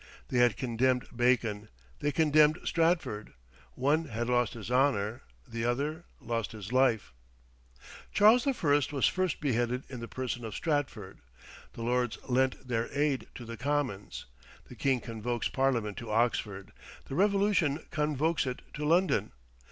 They had condemned Bacon; they condemned Stratford. One had lost his honour, the other lost his life. Charles I. was first beheaded in the person of Stratford. The Lords lent their aid to the Commons. The king convokes Parliament to Oxford; the revolution convokes it to London.